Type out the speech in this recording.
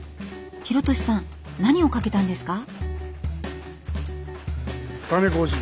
弘智さん何をかけたんですか？